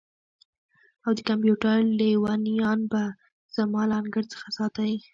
او د کمپیوټر لیونیان به زما له انګړ څخه ساتئ